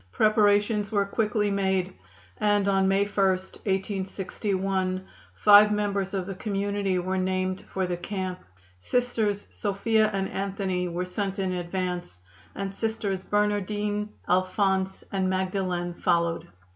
Preparations were quickly made, and on May 1, 1861, five members of the community were named for the camp. Sisters Sophia and Anthony were sent in advance, and Sisters Bernardine, Alphonse and Magdalen followed.